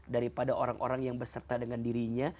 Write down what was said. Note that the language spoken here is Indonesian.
daripada orang orang yang berserta dengan dirinya